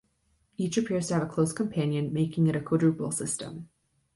Each appears to have a close companion, making it a quadruple system.